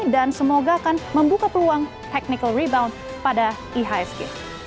dan semoga akan membuka peluang technical rebound pada iasg